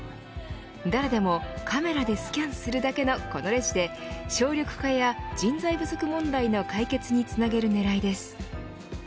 誰でもカメラでスキャンするだけのこのレジで省力化や人材不足問題の解決につなげる狙いです。